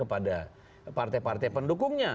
pada partai partai pendukungnya